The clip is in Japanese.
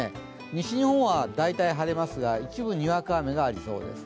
西日本は大体晴れますが、一部にわか雨がありそうです。